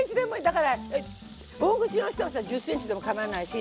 だから大口の人はさ１０ｃｍでもかまわないし。